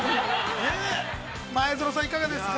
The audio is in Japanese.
前園さん、いかがですか。